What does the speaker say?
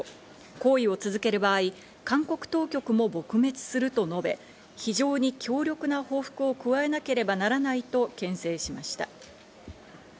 行為を続ける場合、韓国当局も撲滅すると述べ、非常に強力な報復を加えなければならないとけん制しました。